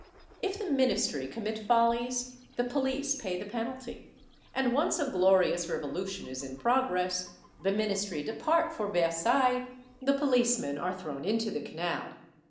If the ministry commit follies, the police pay the penalty, and once a glorious revolution is in progress, the ministry de part for Versailles, the policemen are thrown into the canal.